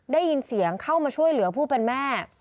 ได้ยินเสียงเข้ามาช่วยเหลือผู้เป็นแม่